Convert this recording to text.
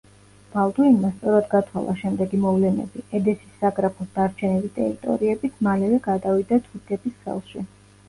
ბალდუინმა სწორად გათვალა შემდეგი მოვლენები: ედესის საგრაფოს დარჩენილი ტერიტორიებიც მალევე გადავიდა თურქების ხელში.